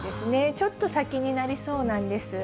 ちょっと先になりそうなんです。